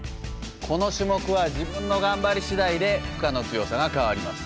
この種目は自分の頑張り次第で負荷の強さが変わります。